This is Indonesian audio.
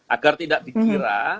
agar tidak dikira